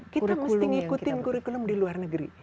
kita mesti ngikutin kurikulum di luar negeri